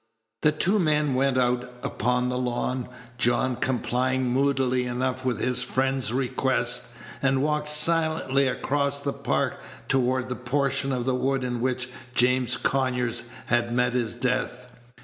The two men went out upon the lawn, John complying moodily enough with his friend's request, and walked silently across the Park toward that portion of the wood in which James Conyers had met his death.